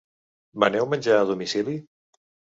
Veneu menjar a domicili?